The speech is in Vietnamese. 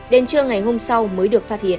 đến trưa ngày hôm sau mới được phát hiện